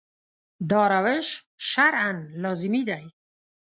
دا روش شرعاً لازمي دی.